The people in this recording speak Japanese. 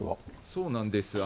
そうなんです。